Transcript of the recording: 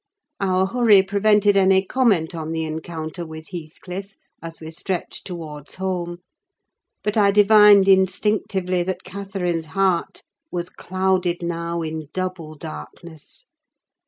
Our hurry prevented any comment on the encounter with Heathcliff, as we stretched towards home; but I divined instinctively that Catherine's heart was clouded now in double darkness.